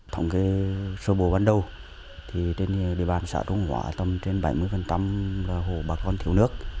thông kê số bộ ban đầu thì trên địa bàn xã trung hóa tầm trên bảy mươi là hộ bà con thiểu nước